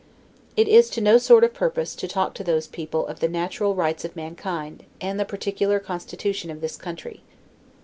It is to no sort of purpose to talk to those people of the natural rights of mankind, and the particular constitution of this country.